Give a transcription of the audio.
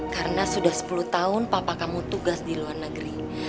karena sudah sepuluh tahun papa kamu tugas di luar negeri